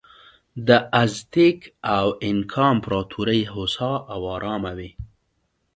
د ازتېک او اینکا امپراتورۍ هوسا او ارامه وې.